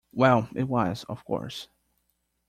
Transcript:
Well, it was, of course.